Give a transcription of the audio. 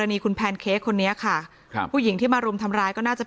อันนี้คุณแพนเค้กคนนี้ค่ะครับผู้หญิงที่มารุมทำร้ายก็น่าจะ